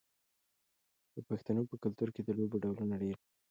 د پښتنو په کلتور کې د لوبو ډولونه ډیر دي.